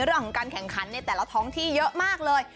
เรื่องของการแข่งขันในแต่ละท้องที่เยอะมากเลย